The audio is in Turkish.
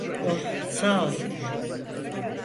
Oh, sağol.